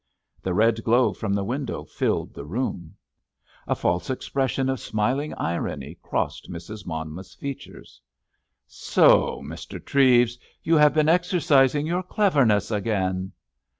The red glow from the window filled the room. A false expression of smiling irony crossed Mrs. Monmouth's features. "So, Mr. Treves, you have been exercising your cleverness again!"